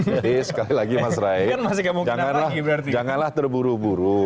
jadi sekali lagi mas rai janganlah terburu buru